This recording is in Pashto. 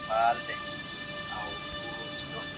د سردرد درد مخ ته هم خپرېږي.